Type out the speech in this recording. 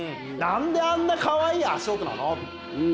なんで、あんなかわいい足音なの？